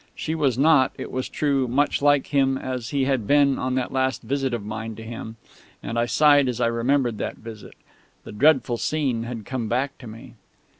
She was not, it was true, much like him as he had been on that last visit of mine to him ... and I sighed as I remembered that visit. The dreadful scene had come back to me....